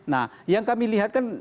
nah yang kami lihat kan